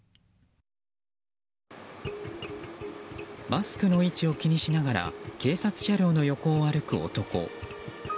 マスクの位置を気にしながら警察車両の横を歩く男。